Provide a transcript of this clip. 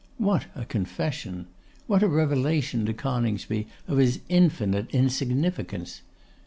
What a confession! What a revelation to Coningsby of his infinite insignificance!